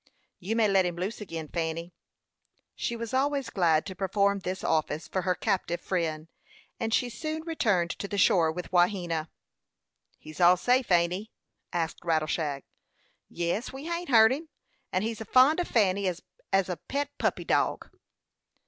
"You may let him loose again, Fanny." She was always glad to perform this office for her captive friend, and she soon returned to the shore with Wahena. "He's all safe ain't he?" asked Rattleshag. "Yes; we hain't hurt him; and he's as fond of Fanny as a pet puppy dog."